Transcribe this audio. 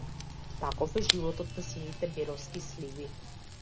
Таков е животот на сините беровски сливи.